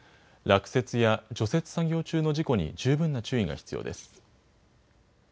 落雪や除雪作業中の事故に十分な注意が必要です。